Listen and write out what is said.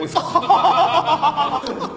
ハハハハハ！